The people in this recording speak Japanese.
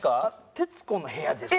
『徹子の部屋』です。